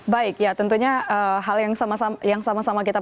baik tentunya hal yang sama sama kita perhatikan